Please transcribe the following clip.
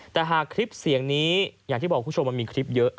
แต่หากคลิปเสียงนี้อย่างที่บอกคุณผู้ชมมันมีคลิปเยอะ